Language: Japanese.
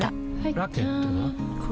ラケットは？